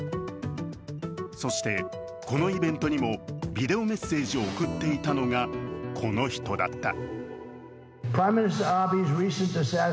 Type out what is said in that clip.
そしてこのイベントにもビデオメッセージを送っていたのがこの人だった。